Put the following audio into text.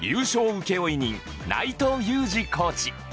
請負人内藤雄士コーチ